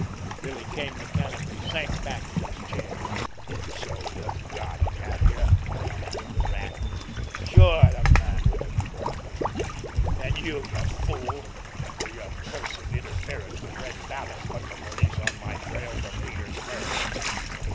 Billy Kane mechanically sank back in his chair. "So you've got it, have you?" jeered the Rat. "Sure, the Man with the Crutch was me! And you, you fool, through your cursed interference with Red Vallon, put the police on my trail for Peters' murder.